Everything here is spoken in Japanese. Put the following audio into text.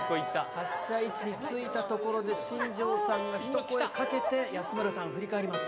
発射位置に着いたところで、新庄さんが一声かけて、安村さん、振り返ります。